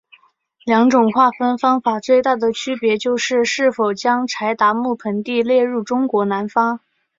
两种划分方法最大的区别就是是否将柴达木盆地列入中国南方。